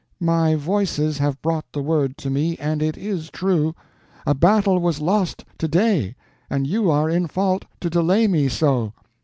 "My Voices have brought the word to me, and it is true. A battle was lost to day, and you are in fault to delay me so."